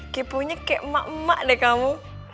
kipunya kayak emak emak deh kamu